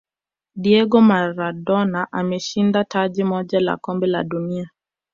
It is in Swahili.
diego maradona ameshinda taji moja la kombe la dunia